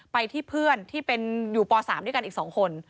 ไปที่เพื่อนที่เป็นอยู่ป๓ด้วยกันอีก๒คน